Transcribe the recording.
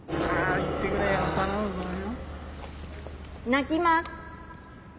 鳴きます！